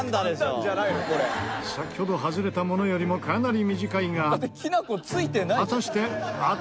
先ほど外れたものよりもかなり短いが果たして当たるのか？